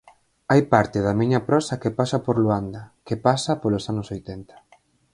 Hai parte da miña prosa que pasa por Luanda, que pasa polos anos oitenta.